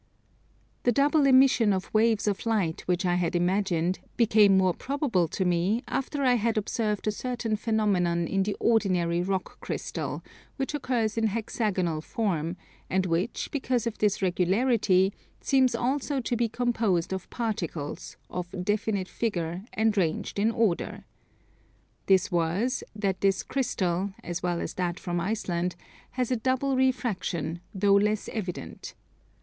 The double emission of waves of light, which I had imagined, became more probable to me after I had observed a certain phenomenon in the ordinary [Rock] Crystal, which occurs in hexagonal form, and which, because of this regularity, seems also to be composed of particles, of definite figure, and ranged in order. This was, that this crystal, as well as that from Iceland, has a double refraction, though less evident.